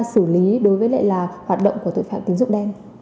xử lý đối với lại là hoạt động của tội phạm tín dụng đen